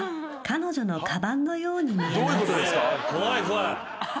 「彼女のかばんのように」？